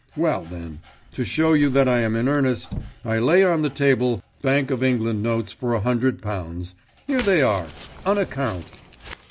Well, then, to show you that I am in earnest, I lay on the table Bank of England notes for a hundred pounds. Here they are, on account."